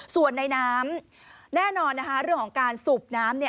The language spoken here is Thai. ส่วนในน้ำแน่นอนนะคะเรื่องของการสูบน้ำ